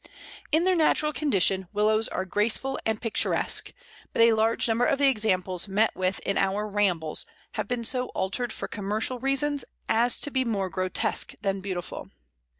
In their natural condition Willows are graceful and picturesque, but a large number of the examples met with in our rambles have been so altered for commercial reasons as to be more grotesque than beautiful.